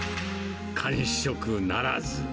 完食ならず。